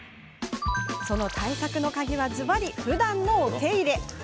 その対策の鍵は、ずばりふだんのお手入れ。